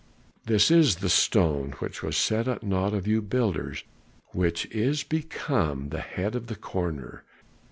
This is the stone which was set at naught of you builders, which is become the head of the corner.